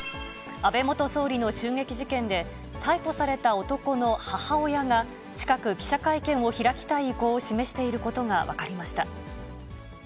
安倍元総理の襲撃事件で、逮捕された男の母親が、近く、記者会見を開きたい意向を示していることが分かりました。